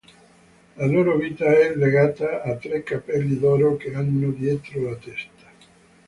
La loro vita è legata a tre capelli d'oro che hanno dietro la testa.